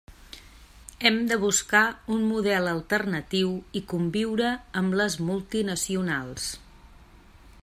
Hem de buscar un model alternatiu i conviure amb les multinacionals.